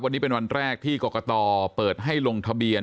วันนี้เป็นวันแรกที่กรกตเปิดให้ลงทะเบียน